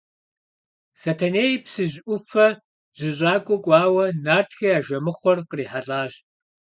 Сэтэней Псыжь ӏуфэ жьыщӏакӏуэ кӏуауэ, нартхэ я жэмыхъуэр кърихьэлӏащ.